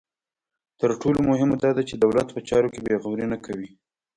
تر ټولو مهمه دا ده چې دولت په چارو کې بې غوري نه کوي.